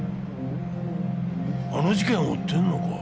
あの事件を追ってんのか？